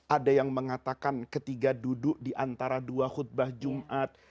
ada yang mengatakan ketiga duduk di antara dua khutbah jumat